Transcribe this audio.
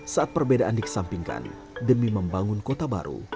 saat perbedaan dikesampingkan demi membangun kota baru